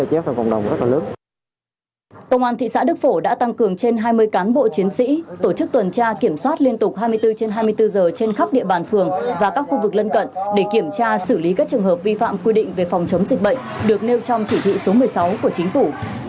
công an thị xã đức phổ đã tăng cường trên hai mươi cán bộ chiến sĩ tổ chức tuần tra kiểm soát liên tục hai mươi bốn trên hai mươi bốn giờ trên khắp địa bàn phường và các khu vực lân cận để kiểm tra xử lý các trường hợp vi phạm quy định về phòng chống dịch bệnh được nêu trong chỉ thị số một mươi sáu của chính phủ